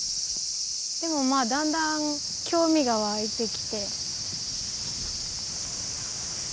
でもまあだんだん興味が湧いてきて。